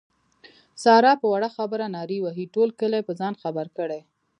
ساره په وړه خبره نارې وهي ټول کلی په ځان خبر کړي.